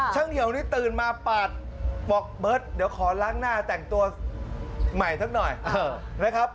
เหี่ยวนี่ตื่นมาปาดบอกเบิร์ตเดี๋ยวขอล้างหน้าแต่งตัวใหม่สักหน่อยนะครับ